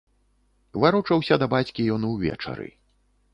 Варочаўся да бацькі ён увечары.